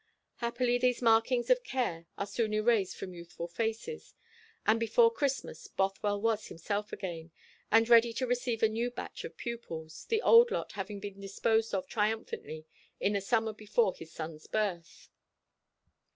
Happily these markings of care are soon erased from youthful faces; and before Christmas Bothwell was himself again, and ready to receive a new batch of pupils, the old lot having been disposed of triumphantly in the summer before his son's birth.